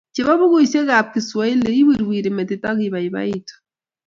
Chebo bukuisiekab kiswahili iwirwiri metit ak ibaibaitu